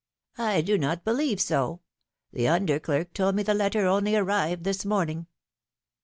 do not believe so. The under clerk told me the letter only arrived this morning.